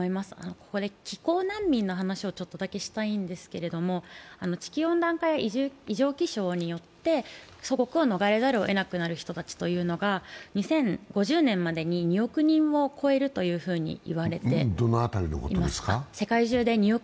ここで気候難民の話をちょっとだけしたいんですけど、地球温暖化や異常気象によって、祖国を逃れざるをえなくなる人たちというのが世界中で２０５０年までに２億人を超えると言われています。